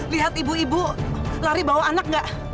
lihat ibu ibu lari bawa anak nggak